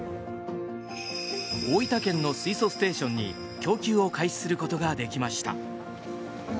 大分県の水素ステーションに供給を開始することができました。